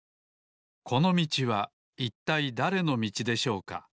このみちはいったいだれのみちでしょうか？